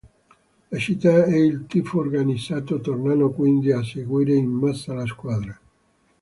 La città e il tifo organizzato tornano quindi a seguire in massa la squadra.